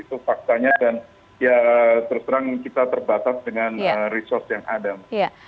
itu faktanya dan ya terus terang kita terbatas dengan resource yang ada